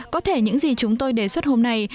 có thể những gì chúng tôi đề xuất hôm nay